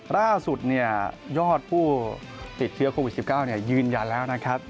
ล่าสุดยอดผู้ติดเชื้อโควิด๑๙ยืนยันแล้วนะครับ